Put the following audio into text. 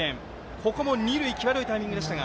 ここも二塁際どいタイミングでしたが。